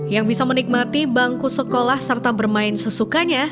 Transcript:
yang bisa menikmati bangku sekolah serta bermain sesukanya